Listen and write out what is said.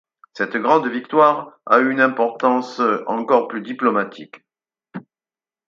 Cette grande victoire a eu une importance encore plus diplomatique.